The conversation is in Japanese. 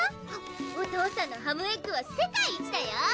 お父さんのハムエッグは世界一だよ！